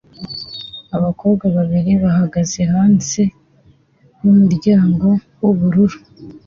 Abakobwa babiri bahagaze hanze yumuryango wubururu